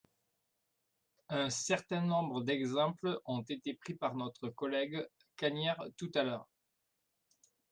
Un certain nombre d’exemples ont été pris par notre collègue Gagnaire tout à l’heure.